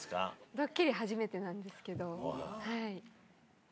ドッキリ初めてなんですけど。